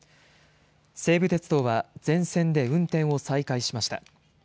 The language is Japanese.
西武鉄道は全線で運転を再開しました。